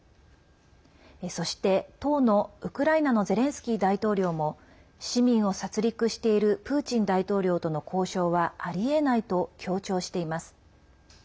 そして、当のウクライナのゼレンスキー大統領も市民を殺りくしているプーチン大統領との交渉はありえないと強調しています。